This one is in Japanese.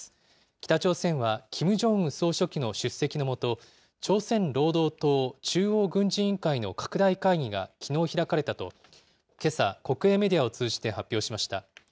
北朝鮮はキム・ジョンウン総書記の出席のもと、朝鮮労働党中央軍事委員会の拡大会議が、きのう開かれたと、けさ、国営メディアを通じて発表しました。